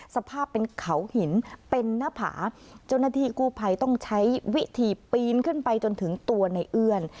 สภาพเป็นเขาหินเป็นหน้าผาเจ้าหน้าที่กู้ภัยต้องใช้วิธีปีนขึ้นไปจนถึงตัวในเอื้อน